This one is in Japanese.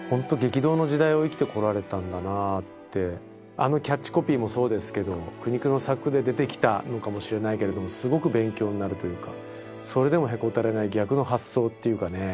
あのキャッチコピーもそうですけど苦肉の策で出てきたのかもしれないけれどもすごく勉強になるというかそれでもへこたれない逆の発想っていうかね